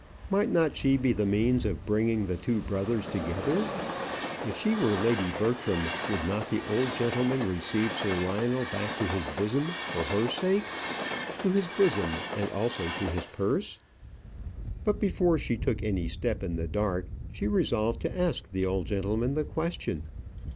Might not she be the means of bringing the two brothers together? If she were Lady Bertram, would not the old gentleman receive Sir Lionel back to his bosom for her sake to his bosom, and also to his purse? But before she took any step in the dark, she resolved to ask the old gentleman the question.